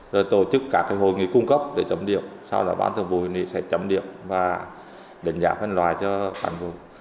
rồi tổ chức cả cái hội nghị cung cấp để chấm điệu sau đó bán thường vụ huyền vị sẽ chấm điệu và đánh giá phân loại cho cán bộ